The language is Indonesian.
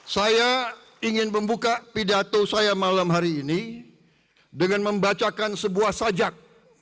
saya ingin membuka pidato saya malam hari ini dengan membacakan sebuah sajak